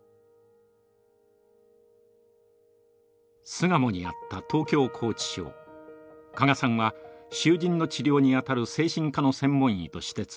巣鴨にあった東京拘置所加賀さんは囚人の治療に当たる精神科の専門医として勤めます。